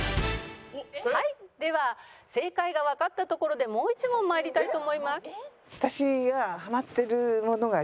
「はいでは正解がわかったところでもう１問参りたいと思います」